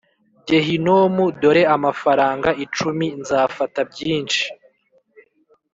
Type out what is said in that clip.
gehinomu, dore amafaranga icumi. .. nzafata byinshi.